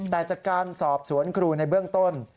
แต่จากการสอบสวนครูในเบื้องต้น